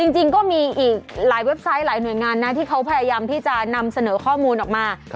จริงก็มีอีกหลายเว็บไซต์หลายหน่วยงานนะที่เขาพยายามที่จะนำเสนอข้อมูลออกมา